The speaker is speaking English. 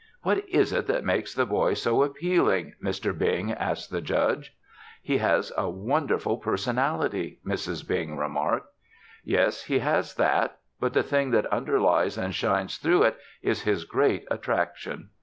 "What is it that makes the boy so appealing?" Mr. Bing asked of the Judge. "He has a wonderful personality," Mrs. Bing remarked. "Yes, he has that. But the thing that underlies and shines through it is his great attraction."